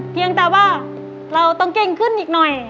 เพียงแต่ว่าเราต้องเก่งขึ้นอีกหน่อย